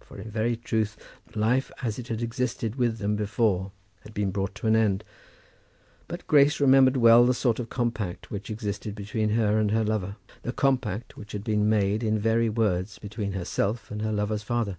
for, in very truth, life as it had existed with them before, had been brought to an end. But Grace remembered well the sort of compact which existed between her and her lover; the compact which had been made in very words between herself and her lover's father.